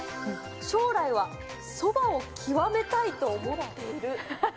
将来はそばを極めたいと思っている。